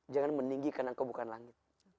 jangan meninggi karena engkau bukan langit